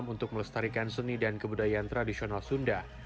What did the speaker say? untuk melestarikan seni dan kebudayaan tradisional sunda